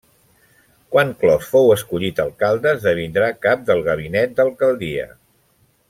Quan Clos fou escollit alcalde esdevindrà cap del gabinet d'alcaldia.